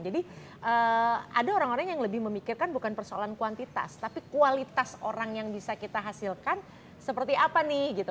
jadi ada orang orang yang lebih memikirkan bukan persoalan kuantitas tapi kualitas orang yang bisa kita hasilkan seperti apa nih gitu